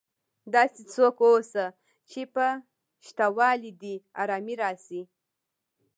داسي څوک واوسه، چي په سته والي دي ارامي راسي.